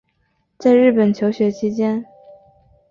在日本求学期间